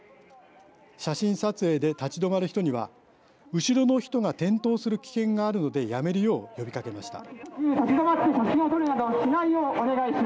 写真撮影で立ち止まる人には後ろの人が転倒する危険があるのでやめるよう呼びかけました。